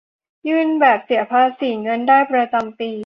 ยื่นแบบเสียภาษีเงินได้ประจำปี